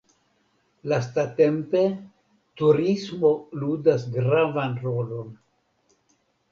Lastatempe turismo ludas gravan rolon.